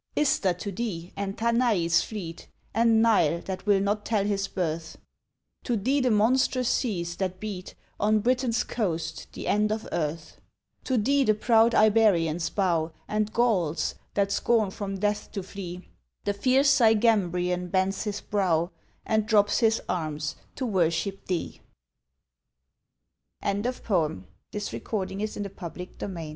Ister to thee, and Tanais fleet, And Nile that will not tell his birth, To thee the monstrous seas that beat On Britain's coast, the end of earth, To thee the proud Iberians bow, And Gauls, that scorn from death to flee; The fierce Sygambrian bends his brow, And drops his arms to worship thee XV. PHOEBUS VOLENTEM. Of battles fought I fain had told, And conquer'd